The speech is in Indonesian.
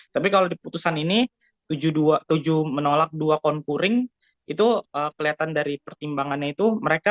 tapi kalau di putusan ini tujuh menolak dua konkuring itu kelihatan dari pertimbangannya itu mereka